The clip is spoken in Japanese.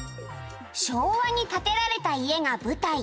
「昭和に建てられた家が舞台」